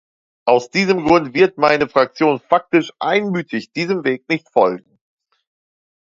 Aus diesem Grund wird meine Fraktion faktisch einmütig diesem Weg nicht folgen.